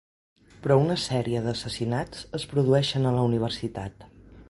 Però una sèrie d'assassinats es produeixen a la universitat.